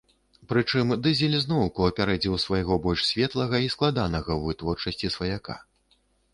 Прычым, дызель зноўку апярэдзіў свайго больш светлага і складанага ў вытворчасці сваяка.